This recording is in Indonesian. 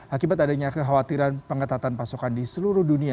akibat adanya kekhawatiran pengetatan pasokan di seluruh dunia